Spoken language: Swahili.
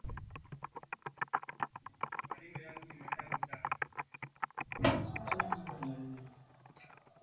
Maneno yangu ni matamu sana.